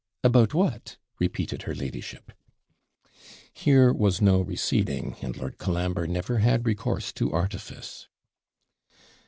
'About what?' repeated her ladyship. Here was no receding, and Lord Colambre never had recourse to artifice.